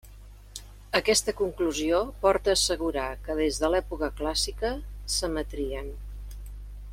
Aquesta conclusió porta a assegurar que des de l'època clàssica s'emetrien.